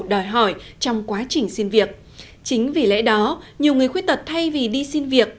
đòi hỏi trong quá trình xin việc chính vì lẽ đó nhiều người khuyết tật thay vì đi xin việc